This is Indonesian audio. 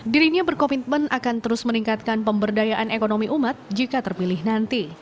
dirinya berkomitmen akan terus meningkatkan pemberdayaan ekonomi umat jika terpilih nanti